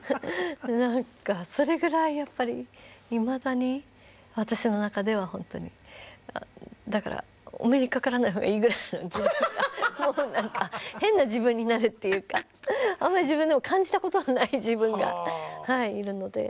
何かそれぐらいやっぱりいまだに私の中ではほんとにだからお目にかからない方がいいぐらいの自分がもう何か変な自分になるというかあまり自分でも感じたことがない自分がいるので。